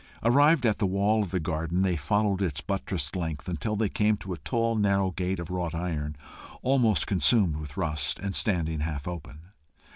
Arrived at the wall of the garden, they followed its buttressed length until they came to a tall narrow gate of wrought iron, almost consumed with rust, and standing half open.